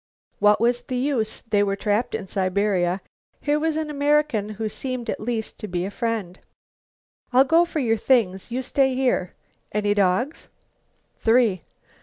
What was the use? They were trapped in Siberia. Here was an American who seemed at least to be a friend. "I'll go for your things. You stay here. Any dogs?" "Three."